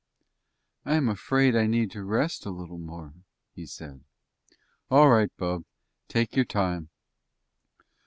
"I am afraid I need to rest a little more," he said. "All right, bub. Take your time."